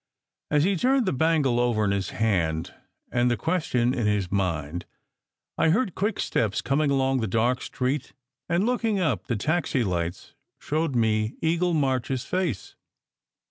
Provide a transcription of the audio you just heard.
As he turned the bangle over in his hand, and the question in his mind, I heard quick steps coming along the dark street, and looking up, the taxi lights showed me Eagle March s face.